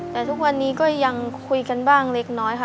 แต่ทุกวันนี้ก็ยังคุยกันบ้างเล็กน้อยค่ะ